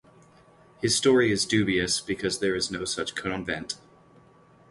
His story is dubious because there is no such convent.